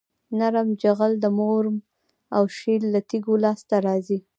نرم جغل د مورم او شیل له تیږو لاسته راځي